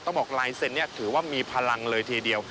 บอกลายเซ็นต์ถือว่ามีพลังเลยทีเดียว